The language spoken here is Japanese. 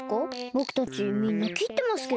ぼくたちみんなきってますけど。